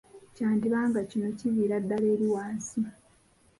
Kyandiba nga kino kiviira ddala eri wansi